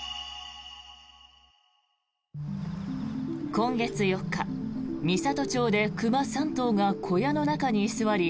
今月４日、美郷町で熊３頭が小屋の中に居座り